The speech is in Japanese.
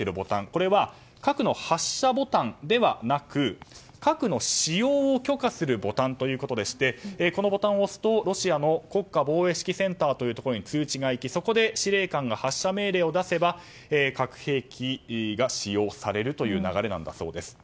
これは核の発射ボタンではなく核の使用を許可するボタンということでしてこのボタンを押すとロシアの国家防衛指揮センターというところに通知が行き、そこで司令官が発射命令を出せば核兵器が使用されるという流れなんだそうです。